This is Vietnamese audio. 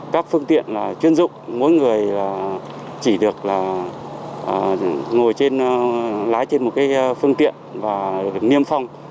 các phương tiện chuyên dụng mỗi người chỉ được lái trên một phương tiện và được nghiêm phong